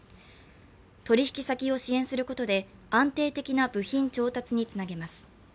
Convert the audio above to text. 取引先を支援することで安定的な部品調達につなげます。